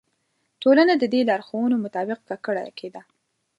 ټولنه د دې لارښوونو مطابق ککړه کېده.